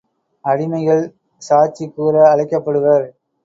அடிமைகள் சாட்சி கூற அழைக்கப்படுவர்.